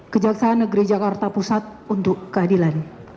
kejaksaan negeri jakarta pusat untuk keadilan